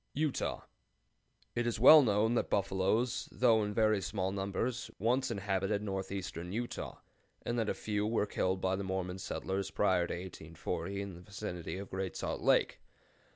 UTAH. It is well known that buffaloes, though in very small numbers, once inhabited northeastern Utah, and that a few were killed by the Mormon settlers prior to 1840 in the vicinity of Great Salt Lake.